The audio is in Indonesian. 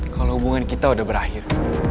kalau hubungan kita sudah berakhir